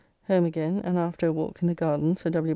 Home again, and after a walk in the garden Sir W.